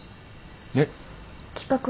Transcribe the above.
えっ？